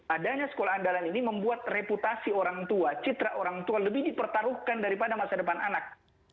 adanya sekolah andalan ini membuat reputasi orang tua citra orang tua lebih dipertaruhkan daripada masa depan anak